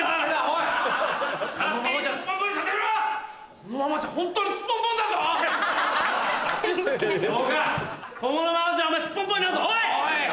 このままじゃお前すっぽんぽんになるぞおい！